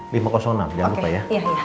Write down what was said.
lima ratus enam jangan lupa ya